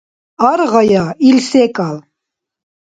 Аргъая ил секӀал.